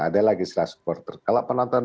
ada lagi setelah supporter kalau penonton